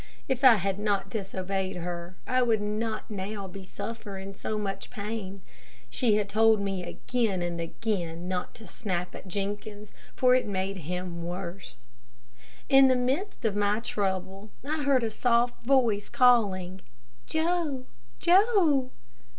If I had not disobeyed her, I would not now be suffering so much pain. She had told me again and again not to snap at Jenkins, for it made him worse. In the midst of my trouble I heard a soft voice calling, "Joe! Joe!"